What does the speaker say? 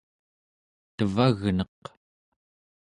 tevagneq